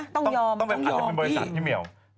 ต้องยอมอาจจะเป็นบริษัทพี่เมียว